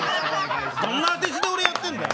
どんな当て字で俺、やってんだよ。